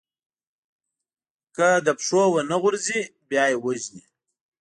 که له پښو ونه غورځي، بیا يې وژني.